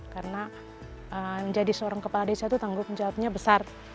karena menjadi seorang kepala desa itu tanggung jawabnya besar